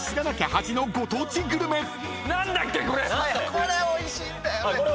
これおいしいんだよね。